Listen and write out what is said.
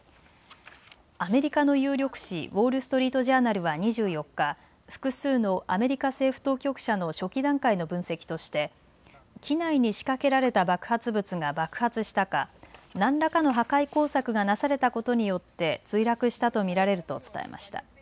アメリカの有力紙、ウォール・ストリート・ジャーナルは２４日、複数のアメリカ政府当局者の初期段階の分析として機内に仕掛けられた爆発物が爆発したか、何らかの破壊工作がなされたことによって墜落したと見られると伝えました。